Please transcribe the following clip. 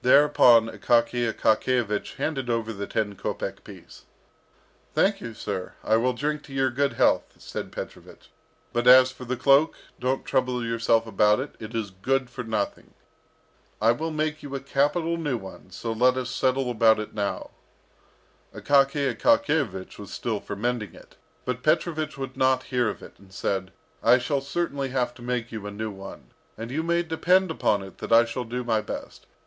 Thereupon Akaky Akakiyevich handed over the ten kopek piece. "Thank you, sir. I will drink your good health," said Petrovich. "But as for the cloak, don't trouble yourself about it; it is good for nothing. I will make you a capital new one, so let us settle about it now." Akaky Akakiyevich was still for mending it, but Petrovich would not hear of it, and said, "I shall certainly have to make you a new one, and you may depend upon it that I shall do my best.